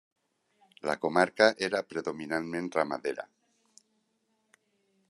La comarca era predominantment ramadera.